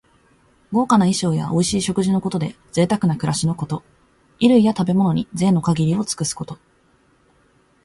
豪華な衣装やおいしい食事のことで、ぜいたくな暮らしのこと。衣類や食べ物に、ぜいの限りを尽くすこと。